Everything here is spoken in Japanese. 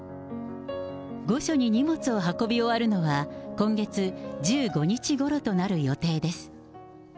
御所に荷物を運び終わるのは、今月１５日ごろとなる予定です。